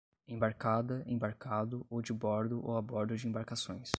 Embarcada, embarcado ou de bordo ou a bordo de embarcações